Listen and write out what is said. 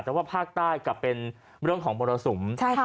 แต่ว่าภาคใต้กลับเป็นเรื่องของมรสุม